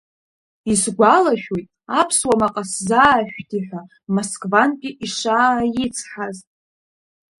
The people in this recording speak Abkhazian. Исгәалашәоит, аԥсуа маҟа сзаашәҭи ҳәа Москвантәи ишааицҳаз.